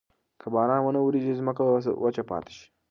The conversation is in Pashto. که باران ونه وریږي، ځمکه به وچه پاتې شي.